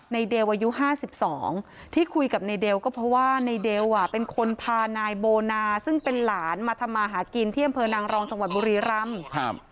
เดลอายุห้าสิบสองที่คุยกับในเบลก็เพราะว่าในเบลเป็นคนพานายโบนาซึ่งเป็นหลานมาทำมาหากินที่อำเภอนางรองจังหวัดบุรีรำ